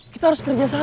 kita harus kerja sama